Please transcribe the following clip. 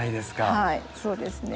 はいそうですね。